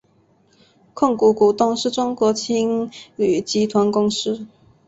控股股东是中国青旅集团公司。